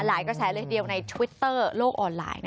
หลายก็แสดงเลยเดียวในชวิตเตอร์โลกออนไลน์